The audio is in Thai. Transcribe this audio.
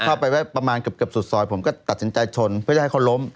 เข้าไปไว้ประมาณเกือบสุดซอยผมก็ตัดสินใจชนเพื่อจะให้เขาล้ม